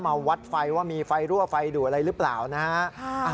มาวัดไฟว่ามีไฟรั่วไฟดูดอะไรหรือเปล่านะฮะ